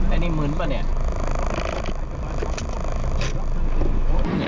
ไอ้นี่มึนปะเนี่ย